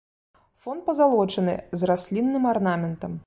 Фон пазалочаны з раслінным арнаментам.